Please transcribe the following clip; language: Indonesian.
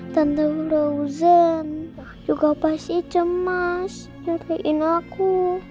tante rosen juga pasti cemas nyariin aku